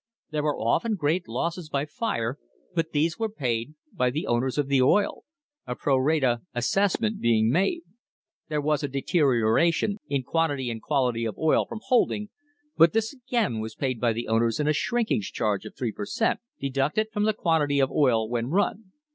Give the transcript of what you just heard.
There were often great losses by fire, but these were paid by the owners of the oil a pro rata assessment being made. There was a deterioration in quantity and quality of oil from holding, but this again was paid by the owners in a shrinkage charge of three per cent., deducted from the quantity of oil when run.